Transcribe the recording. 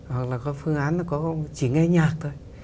hoặc là có phương án là có chỉ nghe nhạc thôi